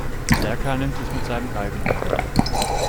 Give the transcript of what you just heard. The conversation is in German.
Serkan nimmt es mit seinem Galgenhumor.